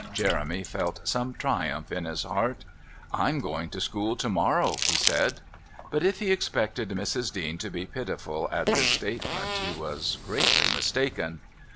Jeremy felt some triumph at his heart. "I'm going to school to morrow," he said. But if he expected Mrs. Dean to be pitiful at this statement he was greatly mistaken.